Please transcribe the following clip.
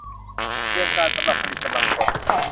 เตรียมการสำหรับผลิตกำลังคน